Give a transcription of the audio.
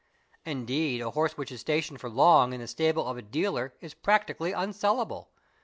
Indeed a horse which is stationed for long in the stable of a dealer is practically unsaleable.